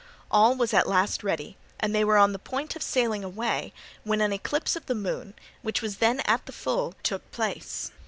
All was at last ready, and they were on the point of sailing away, when an eclipse of the moon, which was then at the full, took place.